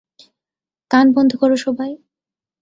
কান বন্ধ করো সবাই।